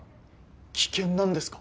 危険なんですか？